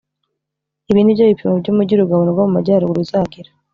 ibi ni byo bipimo by umugi urugabano rwo mu majyaruguru ruzagira